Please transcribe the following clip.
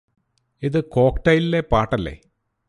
ഇത് കോക്ക്ട്ടൈലിലെ പാട്ടല്ലേ